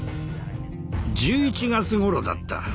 １１月ごろだった。